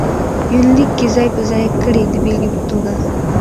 يونليک کې ځاى په ځاى کړي د بېلګې په توګه: